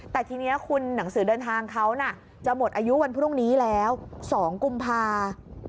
แต่ทีนี้คุณหนังสือเดินทางเขาจะหมดอายุวันพรุ่งนี้แล้ว๒กุมภา